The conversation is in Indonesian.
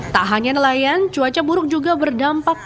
tak hanya nelayan cuaca buruk juga berdampak